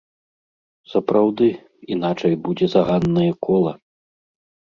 Сапраўды, іначай будзе заганнае кола.